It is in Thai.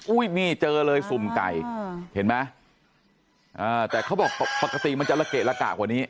นี่เจอเลยสุ่มไก่เห็นไหมแต่เขาบอกปกติมันจะละเกะละกะกว่านี้